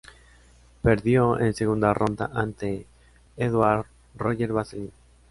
Perdió en segunda ronda ante Édouard Roger-Vasselin.